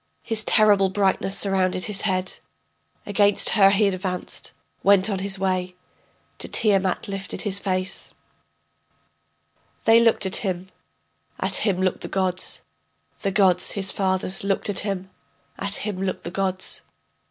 His terrible brightness surrounded his head. Against her he advanced, went on his way, To Tiamat lifted his face. They looked at him, at him looked the gods, The gods, his fathers, looked at him; at him looked the gods.